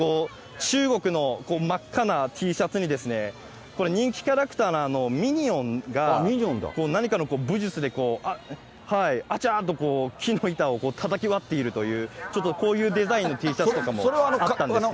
中国の真っ赤なＴシャツに、これ、人気キャラクターのミニオンが何かの武術で、あちゃーっとこう木の板をたたき割っているという、ちょっとこういうデザインのＴシャツとかもあったんですね。